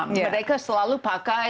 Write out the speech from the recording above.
mereka selalu pakai